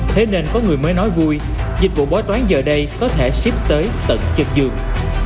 thế nên có người mới nói vui dịch vụ bói toán giờ đây có thể ship tới tận trực giường